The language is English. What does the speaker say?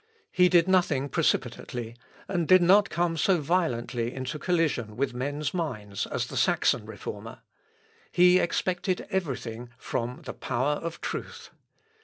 He did nothing precipitately, and did not come so violently into collision with men's minds as the Saxon Reformer; he expected every thing from the power of truth.